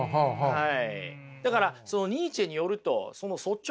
はい。